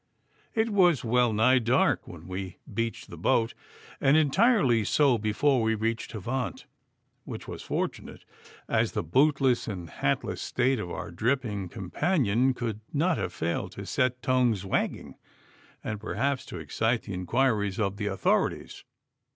It was well nigh dark when we beached the boat, and entirely so before we reached Havant, which was fortunate, as the bootless and hatless state of our dripping companion could not have failed to set tongues wagging, and perhaps to excite the inquiries of the authorities.